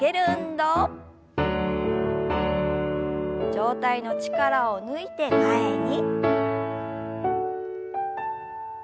上体の力を抜いて前に。